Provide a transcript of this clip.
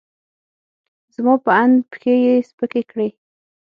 زما په اند، پښې یې سپکې کړې.